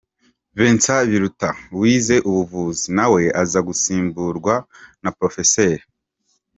Vincent Biruta wize ubuvuzi, nawe aza gusimburwa na Prof.